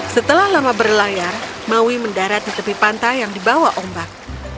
setelah lama berlayar maui mendarat di tepi pantai yang dibawa ombak